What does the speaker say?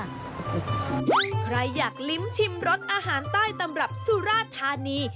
ใครอยากลิ้มชิมรสอาหารใต้ตำรับสุราธานี